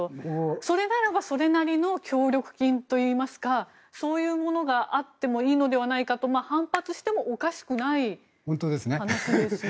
それならばそれなりの協力金といいますかそういうものがあってもいいのではないかと反発してもおかしくない話ですよね。